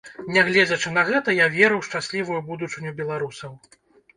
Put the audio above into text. Нягледзячы на гэта, я веру ў шчаслівую будучыню беларусаў.